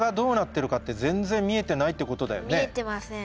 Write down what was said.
見えてません。